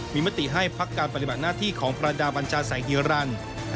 มีมติให้พักการปฏิบัติหน้าที่ของประดาบัญจาสายฮิรันดิ์